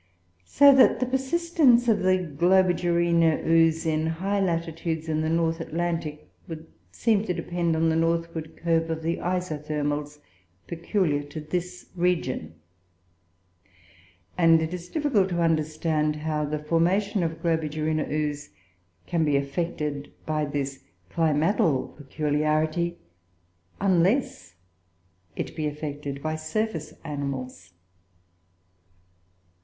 so that the persistence of the Globigerina ooze in high latitudes, in the North Atlantic, would seem to depend on the northward curve of the isothermals peculiar to this region; and it is difficult to understand how the formation of Globigerina ooze can be affected by this climatal peculiarity unless it be effected by surface animals.